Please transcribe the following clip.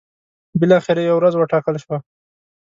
بالاخره یوه ورځ وټاکل شوه.